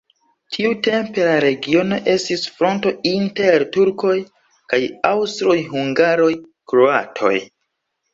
Tiutempe la regiono estis fronto inter turkoj kaj aŭstroj-hungaroj-kroatoj.